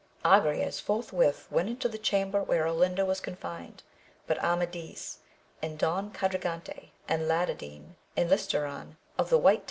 Agrayes forthwith went into the cham ber where Olinda was confined ; but Amadis, and Don Quadragante, and Ladadin, and Listoran of the White VOL.